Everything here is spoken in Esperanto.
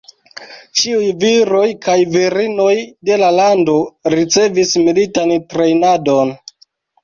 Ĉiuj viroj kaj virinoj de la lando ricevis militan trejnadon.